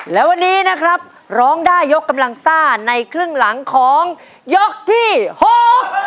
และวันนี้นะครับร้องได้ยกกำลังซ่าในครึ่งหลังของยกที่หก